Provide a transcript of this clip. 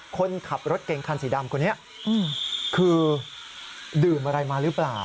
คนขับรถเก่งคันสีดำคนนี้คือดื่มอะไรมาหรือเปล่า